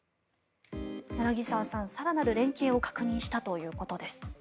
柳澤さん、更なる連携を確認したということです。